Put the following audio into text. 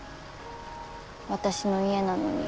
私の家なのに。